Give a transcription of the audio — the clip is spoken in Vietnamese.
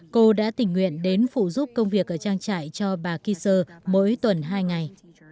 cô đã tình nguyện đến phụ giúp công việc ở trang trại cho bà kisser mỗi tuần hai ngày